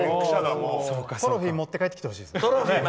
トロフィー持って帰ってきてほしいです。